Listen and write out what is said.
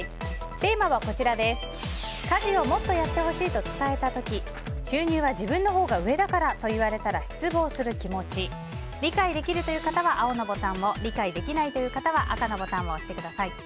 テーマは家事をもっとやってほしいと伝えた時収入は自分のほうが上だからと言われたら失望する気持ち理解できるという方は青のボタンを理解できないという方は赤のボタンを押してください。